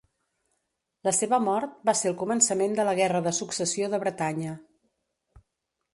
La seva mort va ser el començament de la Guerra de Successió de Bretanya.